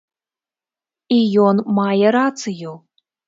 І ён мае рацыю.